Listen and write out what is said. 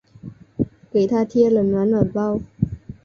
给她贴了暖暖包